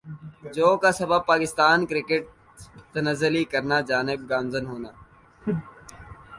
جو کا سبب پاکستان کرکٹ تنزلی کرنا جانب گامزن ہونا